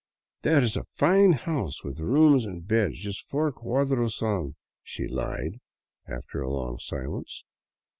" There is a fine house with rooms and beds just four cuadros on," she lied, after a long silence.